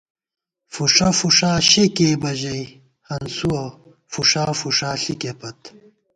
فُݭہ فُݭا شے کېئیبہ ژَئی ہنسُوَہ، فُݭا فُݭا ݪِکے پت